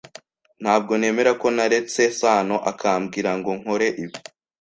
Ntabwo nemera ko naretse Sano akambwira ngo nkore ibi.